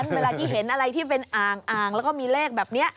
เมื่อเมื่อกี้เห็นอะไรที่เป็นอางางแล้วก็มีเลขแบบนี้